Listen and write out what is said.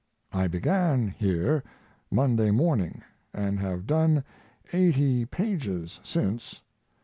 I began here Monday morning, and have done eighty pages since.